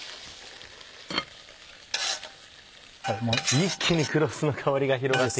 一気に黒酢の香りが広がってきました。